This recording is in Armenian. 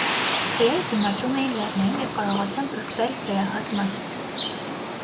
Հայերը դիմադրում էին լեռներում և կարողացան փրկվել վերահաս մահից։